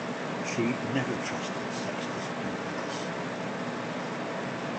She never trusted Sextus Pompeius.